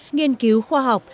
nghiên cứu khoa học